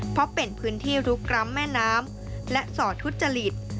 เพราะเป็นพื้นที่ลุกร้ำแม่น้ำและส่อทุจริต